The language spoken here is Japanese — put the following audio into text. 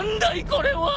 これは。